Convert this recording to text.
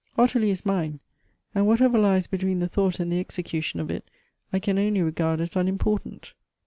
Ottilie is mine, and whatever lies between the thought and the execution of it, I can only regard as unimportant."